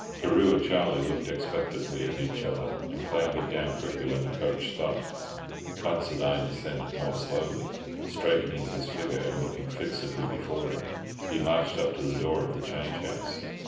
Carew and Charlie looked expectantly at each other, and clambered down quickly when the coach stopped. Considine descended more slowly; straightening his figure and looking fixedly before him, he marched up to the door of the change house.